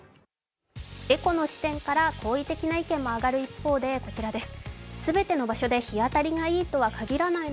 エコの視点から好意的な意見も上がる一方でこちらです。